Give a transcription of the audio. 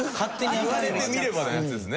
言われてみればのやつですね。